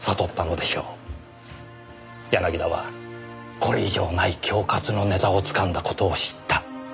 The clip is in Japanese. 柳田はこれ以上ない恐喝のネタを掴んだ事を知った。